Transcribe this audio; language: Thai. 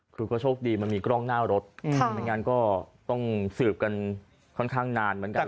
คือก็โชคดีมันมีกล้องหน้ารถไม่งั้นก็ต้องสืบกันค่อนข้างนานเหมือนกัน